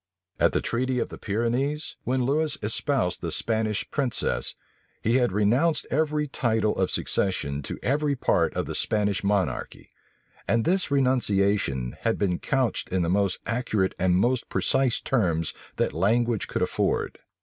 At the treaty of the Pyrenees, when Lewis espoused the Spanish princess, he had renounced every title of succession to every part of the Spanish monarchy; and this renunciation had been couched in the most accurate and most precise terms that language could afford.